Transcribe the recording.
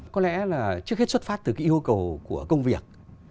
có lẽ là trước hết xuất phát từ cái yêu cầu của công việc